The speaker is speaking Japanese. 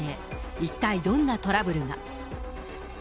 一体、どんなトラブルが。